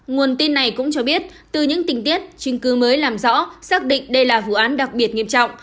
nguồn tin này cũng cho biết từ những tình tiết chứng cứ mới làm rõ xác định đây là vụ án đặc biệt nghiêm trọng